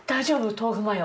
豆腐マヨ。